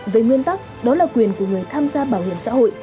về nguyên tắc đó là quyền của người tham gia bảo hiểm xã hội